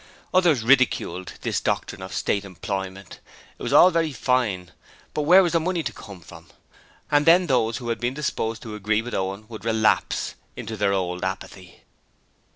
Others ridiculed this doctrine of State employment: It was all very fine, but where was the money to come from? And then those who had been disposed to agree with Owen could relapse into their old apathy.